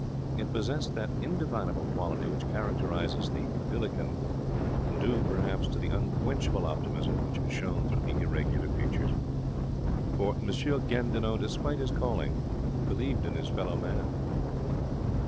It possessed that indefinable quality which characterizes the Billiken, due, perhaps, to the unquenchable optimism which shone through the irregular features; for M. Gandinot, despite his calling, believed in his fellow man.